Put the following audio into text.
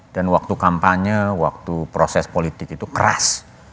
dan waktu kampanye waktu proses politik itu keras